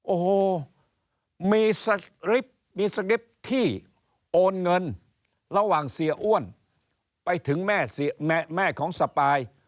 โอ้โหมีสกริปที่โอนเงินระหว่างเสียอ้วนไปถึงแม่ของสปาย